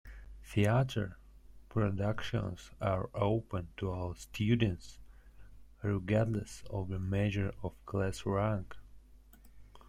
Theatre productions are open to all students, regardless of major or class rank.